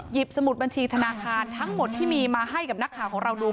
สมุดบัญชีธนาคารทั้งหมดที่มีมาให้กับนักข่าวของเราดู